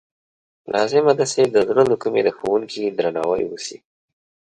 لازمه ده چې د زړه له کومې د ښوونکي درناوی وشي.